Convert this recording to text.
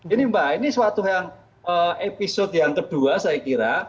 ini mbak ini suatu yang episode yang kedua saya kira